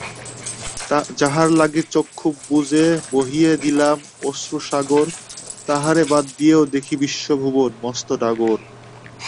যাহার লাগি চক্ষু বুজেবহিয়ে দিলাম অশ্রুসাগরতাহারে বাদ দিয়েও দেখিবিশ্বভুবন মস্ত ডাগর।